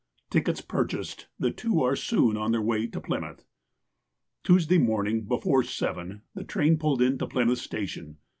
Tickets purchased, the two are soon on their way to Plymouth. Tuesday morning, before seven, the train pulled into Plymouth station.